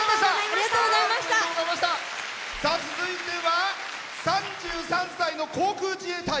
続いては３３歳の航空自衛隊。